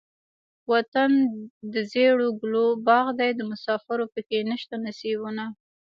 وطن دزيړو ګلو باغ دے دمسافرو پکښې نيشته نصيبونه